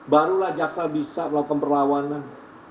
barulah jaksa bisa melakukan perlawanan